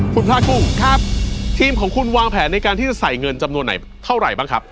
คุณพระกุ้งครับทีมของคุณวางแผนในการที่จะใส่เงินจำนวนไหนเท่าไหร่บ้างครับ